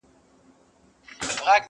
او رحم نه ښکاري،